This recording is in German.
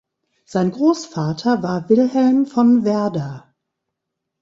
Sein Großvater war Wilhelm von Werder.